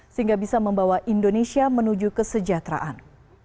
sehingga bisa membawa indonesia menuju kesejahteraan